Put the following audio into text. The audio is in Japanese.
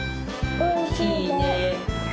おいしいね。